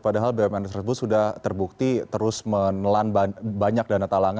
padahal bumn tersebut sudah terbukti terus menelan banyak dana talangan